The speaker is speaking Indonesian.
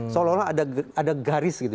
seolah olah ada garis gitu